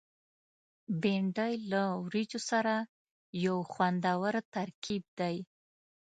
بېنډۍ له وریجو سره یو خوندور ترکیب دی